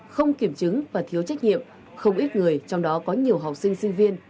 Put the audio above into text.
không kiểm chứng và thiếu trách nhiệm không ít người trong đó có nhiều học sinh sinh viên